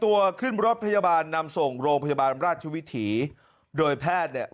ตัวขึ้นรถพยาบาลนำส่งโรงพยาบาลราชวิถีโดยแพทย์เนี่ย